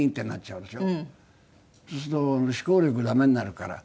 そうすると思考力ダメになるから。